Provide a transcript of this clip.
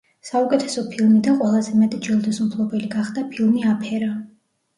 საუკეთესო ფილმი და ყველაზე მეტი ჯილდოს მფლობელი გახდა ფილმი „აფერა“